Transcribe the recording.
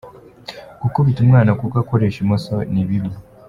Gukubita umwana kuko akoresha imoso ni bibi .